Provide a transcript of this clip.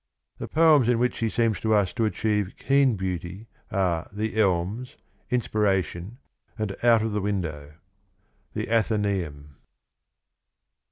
The poems in which he seems to us to achieve keen beauty are The Elms, Inspiration, and Out of the Window. — The Athenceum.